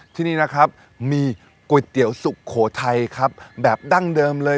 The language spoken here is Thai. ที่นี่นะครับมีก๋วยเตี๋ยวสุโขทัยครับแบบดั้งเดิมเลย